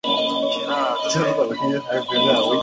她这个赛季被分配到加拿大站和法国站。